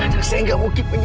ada saya estaba di sini